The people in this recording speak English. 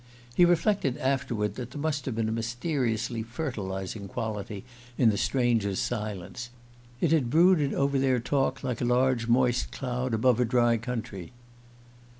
He reflected afterward that there must have been a mysteriously fertilizing quality in the stranger's silence: it had brooded over their talk like a large moist cloud above a dry country.